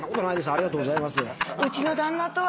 ありがとうございます。